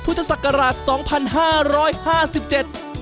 พุทธศักราช๒๕๕๗